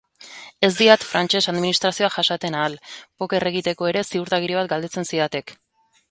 Ez diat frantses administrazioa jasaten ahal, poker egiteko ere ziurtagiri bat galdetzen zidatek!